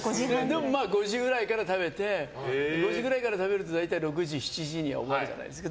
でも、５時くらいから食べて５時くらいから食べると６時、７時には終わるじゃないですか。